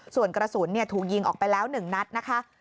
ส่วนกระสุนถูกยิงออกไปแล้ว๑นัดนะคะ